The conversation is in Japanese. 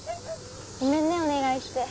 ごめんねお願いして。